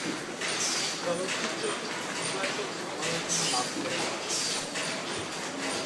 চলচ্চিত্রটি ইতিবাচক সমালোচনা লাভ করে।